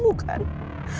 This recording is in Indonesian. kamu mau kan bantu andin